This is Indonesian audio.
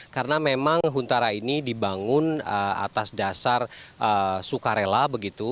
karena memang huntara ini dibangun atas dasar sukarela begitu